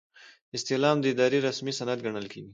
استعلام د ادارې رسمي سند ګڼل کیږي.